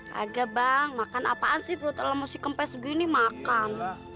kagak bang makan apaan sih perut ella mau si kempes begini makan